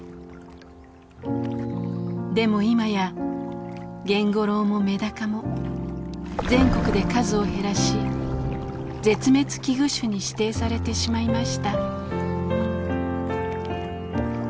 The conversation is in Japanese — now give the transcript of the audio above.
でも今やゲンゴロウもメダカも全国で数を減らし絶滅危惧種に指定されてしまいました。